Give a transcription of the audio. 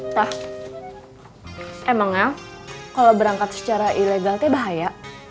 tah emangnya kalau berangkat secara ilegal itu bahaya